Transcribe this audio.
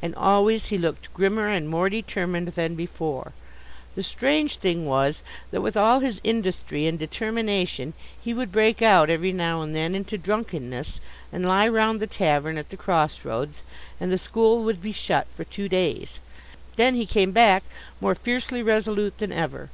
And always he looked grimmer and more determined than before. The strange thing was that, with all his industry and determination, he would break out every now and then into drunkenness, and lie round the tavern at the crossroads, and the school would be shut for two days. Then he came back, more fiercely resolute than ever.